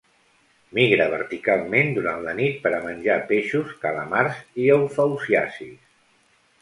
Migra verticalment durant la nit per a menjar peixos, calamars i eufausiacis.